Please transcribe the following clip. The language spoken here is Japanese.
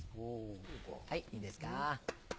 はいいいですか？